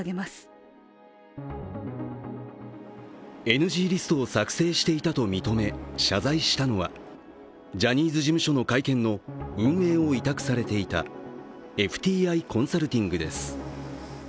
ＮＧリストを作成していたと認め謝罪したのはジャニーズ事務所の会見の運営を委託されていたＦＴＩコンサルティングです。